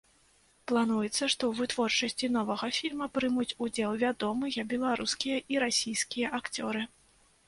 Плануецца, што ў вытворчасці новага фільма прымуць удзел вядомыя беларускія і расійскія акцёры.